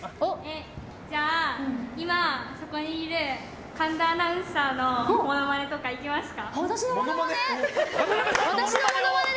じゃあ、今、あそこにいる神田アナウンサーのモノマネとかいけますか。